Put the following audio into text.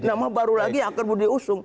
nama baru lagi yang akan diusung